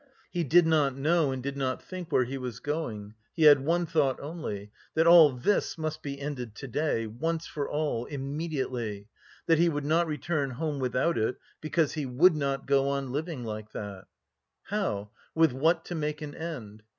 He did not know and did not think where he was going, he had one thought only: "that all this must be ended to day, once for all, immediately; that he would not return home without it, because he would not go on living like that." How, with what to make an end?